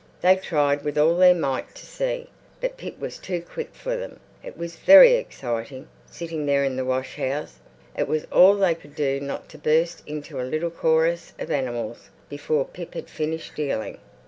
They tried with all their might to see, but Pip was too quick for them. It was very exciting, sitting there in the washhouse; it was all they could do not to burst into a little chorus of animals before Pip had finished dealing.